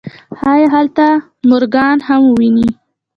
ښايي هلته مورګان هم وويني.